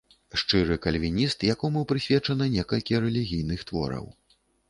Шчыры кальвініст, якому прысвечана некалькі рэлігійных твораў.